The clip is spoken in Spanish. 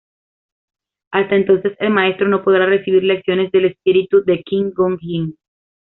Hasta entonces el Maestro no podrá recibir lecciones del espíritu de Qui-Gon Jinn.